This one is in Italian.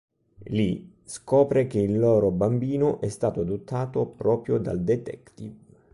Lì, scopre che il loro bambino è stato adottato proprio dal detective.